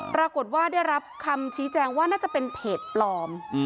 ปรากฏว่าได้รับคำชี้แจงว่าน่าจะเป็นเพจปลอม